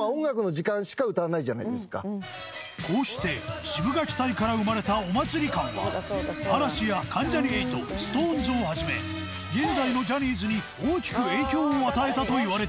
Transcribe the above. こうしてシブがき隊から生まれたお祭り感は嵐や関ジャニ∞ＳｉｘＴＯＮＥＳを始め現在のジャニーズに大きく影響を与えたといわれている。